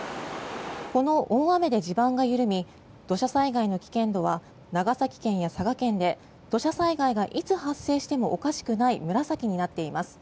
この大雨で地盤が緩み土砂災害の危険度は長崎県や佐賀県で土砂災害がいつ発生してもおかしくない紫になっています。